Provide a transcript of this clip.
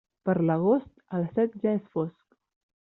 Per l'agost, a les set ja és fosc.